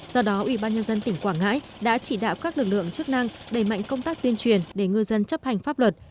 do đó ủy ban nhân dân tỉnh quảng ngãi đã chỉ đạo các lực lượng chức năng đẩy mạnh công tác tuyên truyền để ngư dân chấp hành pháp luật